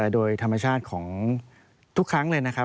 โดยธรรมชาติของทุกครั้งเลยนะครับ